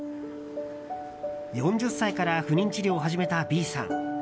４０歳から不妊治療を始めたＢさん。